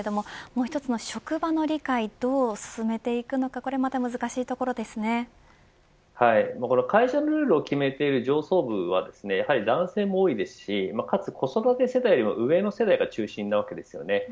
もう一つの職場の理解どう進めていくのか会社のルールを決めている上層部は男性も多いですしかつ子育て世代よりも上の世代が中心です。